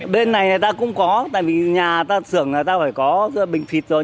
bên này người ta cũng có tại vì nhà xưởng người ta phải có bình phịt rồi